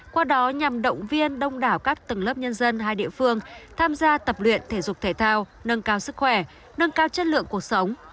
qua đó nhằm động viên đông đảo các tầng lớp nhân dân hai địa phương tham gia tập luyện thể dục thể thao nâng cao sức khỏe nâng cao chất lượng cuộc sống